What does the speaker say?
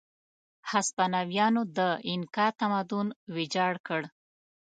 هسپانویانو د اینکا تمدن ویجاړ کړ.